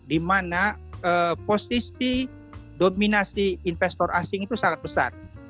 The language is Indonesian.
di mana posisi dominasi investor asing itu sangat besar